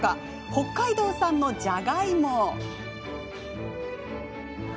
北海道産のじゃがいも。